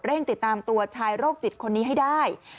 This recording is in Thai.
ติดตามตัวชายโรคจิตคนนี้ให้ได้